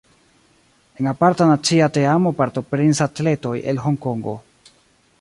En aparta nacia teamo partoprenis atletoj el Honkongo.